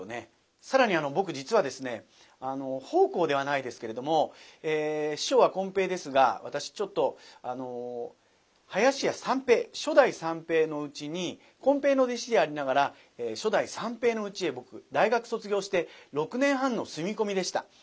更に僕実はですね奉公ではないですけれども師匠はこん平ですが私ちょっと林家三平初代三平のうちにこん平の弟子でありながら初代三平のうちへ僕大学卒業して６年半の住み込みでした。